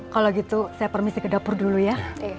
kalau gitu saya permisi ke dapur dulu ya